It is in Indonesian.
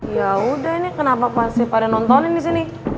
yaudah nih kenapa pasti pada nontonin disini